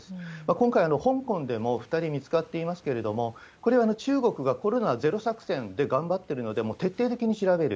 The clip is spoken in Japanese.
今回は香港でも２人見つかっていますけれども、これは中国がコロナゼロ作戦で頑張ってるので、もう徹底的に調べる。